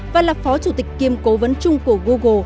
và là phó chủ tịch kiêm cố vấn chung của google